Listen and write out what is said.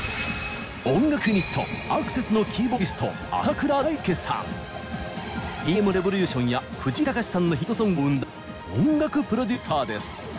音楽ユニットａｃｃｅｓｓのキーボーディストＴ．Ｍ．Ｒｅｖｏｌｕｔｉｏｎや藤井隆さんのヒットソングを生んだ音楽プロデューサーです。